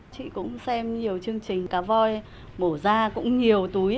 chị cũng xem nhiều chương trình cá voi bổ ra cũng nhiều túi